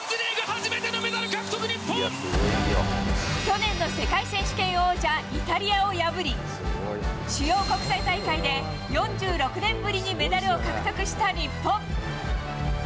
初めてのメダ去年の世界選手権王者、イタリアを破り、主要国際大会で４６年ぶりにメダルを獲得した日本。